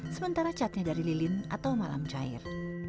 sementara catnya dari lilin atau malam cair